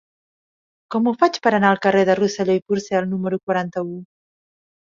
Com ho faig per anar al carrer de Rosselló i Porcel número quaranta-u?